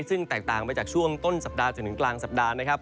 ซึ่งแตกต่างไปจากช่วงต้นสัปดาห์จนถึงกลางสัปดาห์นะครับ